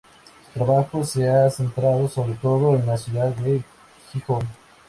Su trabajo se ha centrado sobre todo en la ciudad de Gijón.